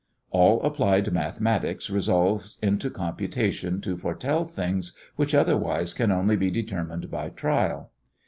All applied mathematics resolves into computation to foretell things which otherwise can only be determined by trial.